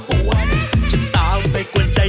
โอ้โฮคุยแล้วไม่คุยคุย